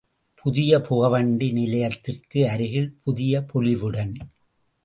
புதிய புகைவண்டி நிலையத்திற்கு அருகில் புதிய பொலிவுடன்!